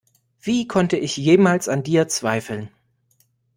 Wie konnte ich jemals an dir zweifeln?